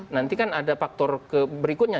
nanti kan ada faktor berikutnya